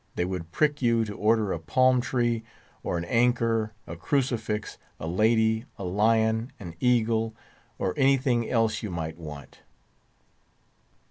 They would prick you to order a palm tree, or an anchor, a crucifix, a lady, a lion, an eagle, or anything else you might want.